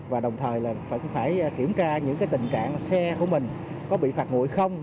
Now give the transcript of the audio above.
và đồng thời phải kiểm tra những tình trạng xe của mình có bị phạt ngụy không